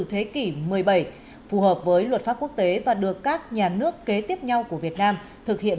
thế kỷ một mươi bảy phù hợp với luật pháp quốc tế và được các nhà nước kế tiếp nhau của việt nam thực hiện